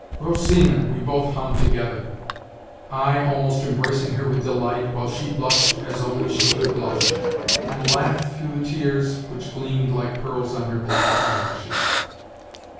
" Rosina !" we both hummed together; I almost embracing her with delight, while she blushed as only she could blush, and laughed through the tears which gleamed like pearls on her black eyelashes.